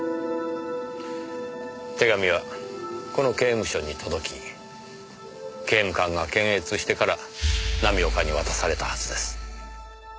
手紙はこの刑務所に届き刑務官が検閲してから浪岡に渡されたはずです。